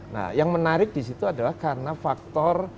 nah yang menarik di situ adalah karena faktor